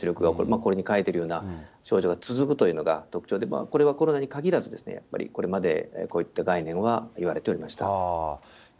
これに書いてるような症状が続くというのが、特徴で、これはコロナに限らず、やっぱりこれまでこういった概念は言われておりました。